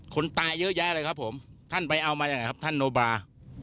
คนตายเยอะแยะเลยครับผมท่านไปเอามายังไงครับท่านโนบา